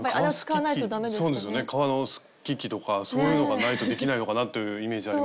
革のすき機とかそういうのがないとできないのかなというイメージありましたけど。